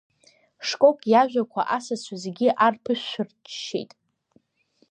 Шкок иажәақәа асасцәа зегьы арԥышәырччеит.